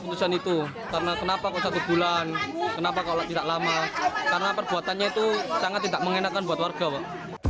karena kenapa kok satu bulan kenapa kalau tidak lama karena perbuatannya itu sangat tidak mengenakan buat warga pak